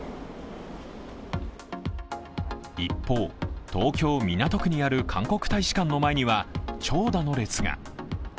一方、東京・港区にある韓国大使館の前には長蛇の列が。